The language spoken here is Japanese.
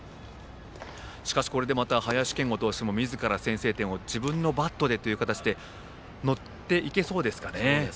しかし、林謙吾投手もみずから先制点を自分のバットでという形で持っていけそうですかね。